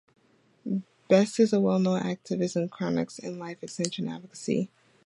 Best is a well-known activist in cryonics and life extension advocacy.